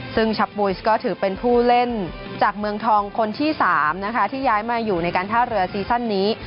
ซึ่งชับบุยสก็ถือเป็นผู้เล่นจากเมืองทองคนที่๓นะคะที่ย้ายมาอยู่ในการท่าเรือซีซั่นนี้